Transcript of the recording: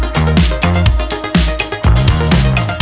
you dolar boleh kemana